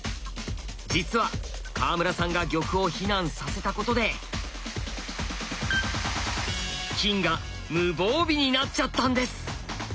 実は川村さんが玉を避難させたことで金が無防備になっちゃったんです！